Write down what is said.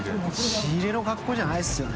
仕入れの格好じゃないですよね。